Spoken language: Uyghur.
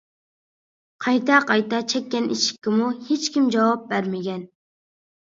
قايتا-قايتا چەككەن ئىشىككىمۇ ھېچ كىم جاۋاب بەرمىگەن.